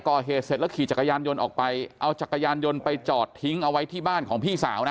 ก่อเหตุเสร็จแล้วขี่จักรยานยนต์ออกไปเอาจักรยานยนต์ไปจอดทิ้งเอาไว้ที่บ้านของพี่สาวนะ